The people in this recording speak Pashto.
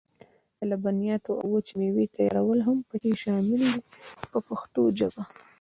د لبنیاتو او وچې مېوې تیارول هم پکې شامل دي په پښتو ژبه.